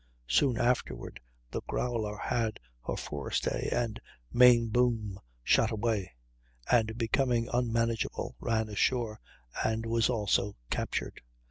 Soon afterward the Growler had her forestay and main boom shot away, and, becoming unmanageable, ran ashore and was also captured.